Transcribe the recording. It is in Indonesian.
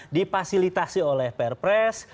dipasilitasi oleh pr press